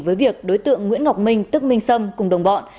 với việc đối tượng nguyễn ngọc minh tức minh sâm cùng đồng bọn